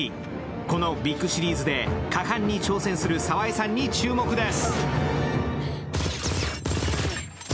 このビッグシリーズで果敢に挑戦するサワイさんに注目です。